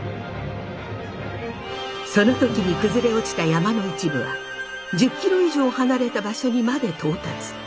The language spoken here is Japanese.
その時に崩れ落ちた山の一部は１０ｋｍ以上離れた場所にまで到達。